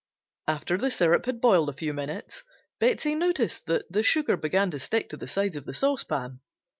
After the syrup had boiled a few minutes, Betsey noticed that the sugar began to stick to the sides of the saucepan.